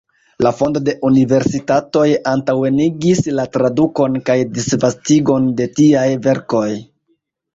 La fondo de universitatoj antaŭenigis la tradukon kaj disvastigon de tiaj verkoj.